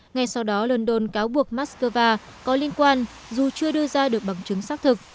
ngay sau đó london cáo buộc moscow có liên quan dù chưa đưa ra được bằng chứng xác thực